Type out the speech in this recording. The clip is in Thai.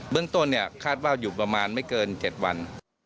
เรื่องต้นเนี่ยคาดว่าอยู่ประมาณไม่เกิน๗วัน